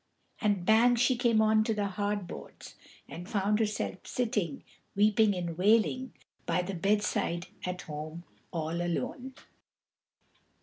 And bang she came on to the hard boards, and found herself sitting, weeping and wailing, by the bedside at home all alone.